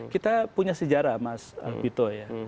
kita punya sejarah mas bito ya